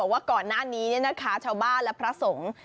ว่าก่อนหน้านี้ชาวบ้านและพระสงฆ์